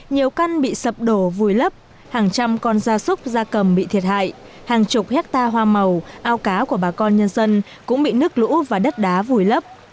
nhiều căn bị sập đổ vùi lấp hàng trăm con da súc da cầm bị thiệt hại hàng chục hectare hoa màu ao cá của bà con nhân dân cũng bị nước lũ và đất đá vùi lấp